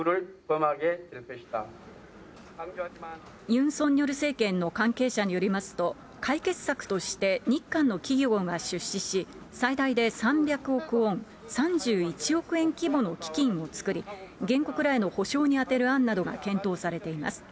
ユン・ソンニョル政権の関係者によりますと、解決策として日韓の企業が出資し、最大で３００億ウォン、３１億円規模の基金を作り、原告らへの補償に充てる案などが検討されています。